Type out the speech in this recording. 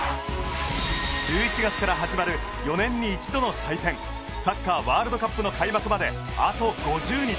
１１月から始まる４年に一度の祭典サッカーワールドカップの開幕まであと５０日。